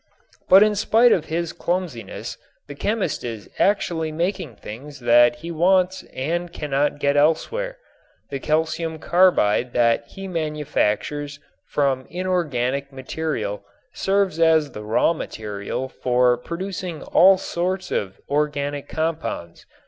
But in spite of his clumsiness the chemist is actually making things that he wants and cannot get elsewhere. The calcium carbide that he manufactures from inorganic material serves as the raw material for producing all sorts of organic compounds.